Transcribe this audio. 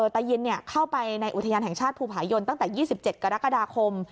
ตายินเข้าไปในอุทยานแห่งชาติภูผายนตั้งแต่๒๗กรกฎาคม